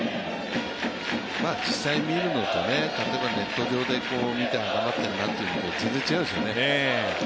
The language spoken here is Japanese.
実際に見るのと例えば、ネット上で見て頑張ってるなというのではやっぱり違いますからね。